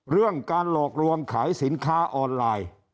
เรื่องการหลอกลวงขายสินค้าออนไลน์